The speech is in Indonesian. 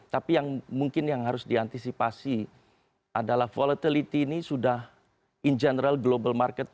tapi yang mungkin yang harus diantisipasi adalah volatility ini sudah in general global market